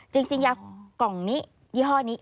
จริงยากล่องนี้ยี่ห้อนี้